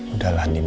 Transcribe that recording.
udah lah nino